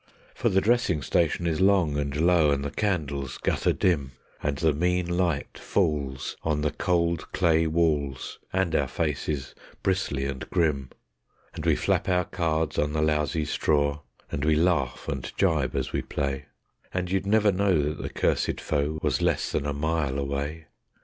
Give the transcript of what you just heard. For the dressing station is long and low, and the candles gutter dim, And the mean light falls on the cold clay walls and our faces bristly and grim; And we flap our cards on the lousy straw, and we laugh and jibe as we play, And you'd never know that the cursed foe was less than a mile away.